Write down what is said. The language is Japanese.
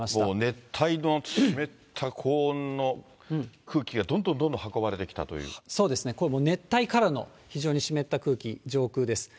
熱帯の湿った高温の空気がどんどんどんどん運ばれてきたといそうですね、これもう熱帯からの非常に湿った空気、上空です。